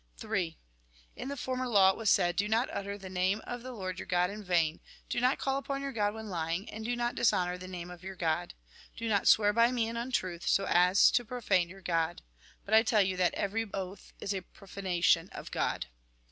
III. In the former law it was said :" Do not utter the name of the Lord your God in vain, do not call upon your God when lying, and do not dishonour the name of your God. Do not swear by Me in untruth, so as to profane your God." But I tell you that every oath is a profanation of God.